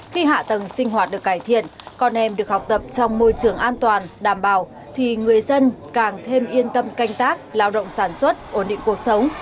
khi hạ tầng sinh hoạt được cải thiện con em được học tập trong môi trường an toàn đảm bảo thì người dân càng thêm yên tâm canh tác lao động sản xuất ổn định cuộc sống